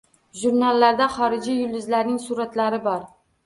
Jurnallarda xorijiy “yulduz”larning suratlari bor.